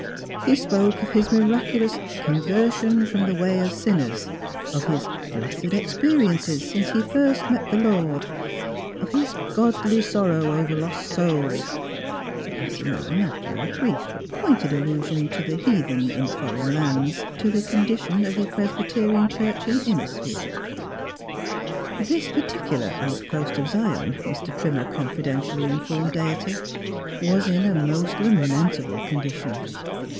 He spoke of his miraculous " conversion from the way of sin ners," of his " blessed experiences since he first met the Lord," of his " godly sorrow over lost souls;" passing on after a brief but pointed allu sion to the heathen in foreign lands to the condi tion of the Presbyterian church in Innisfield. This particular outpost of Zion, Mr. Trimmer confidentially informed Deity, was in a most lamentable condition.